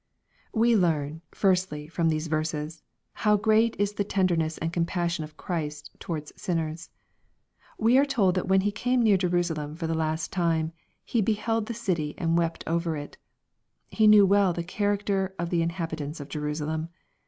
We learn^ firstly, from these verses, how great is the tenderness and compassion of Christ towards sinners. We are told that when He came near Jerusalem for the last time, " He beheld the city and wept over it.'' He knew well the character of the inhabitants of Jerusalem.